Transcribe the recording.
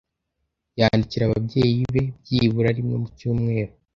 Yandikira ababyeyi be byibura rimwe mu cyumweru.